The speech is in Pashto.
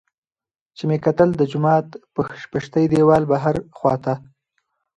چې مې وکتل د جومات پشتۍ دېوال بهر خوا ته